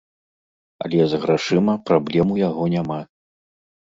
Але з грашыма праблем у яго няма.